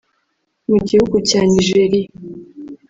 Mu gihugu cya Nigeria